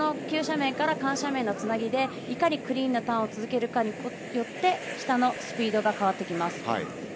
急斜面から緩斜面でいかにクリーンなターンを続けるかによって下のスピードが変わってきます。